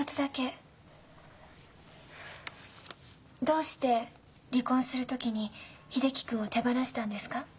どうして離婚する時に秀樹君を手放したんですか？